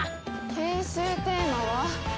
研修テーマは？